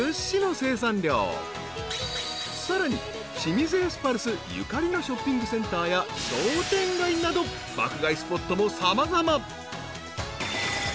［さらに清水エスパルスゆかりのショッピングセンターや商店街など爆買いスポットも様々］